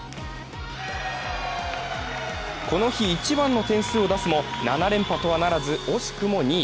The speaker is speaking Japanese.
この日、一番の点数を出すも７連覇とはならず惜しくも２位。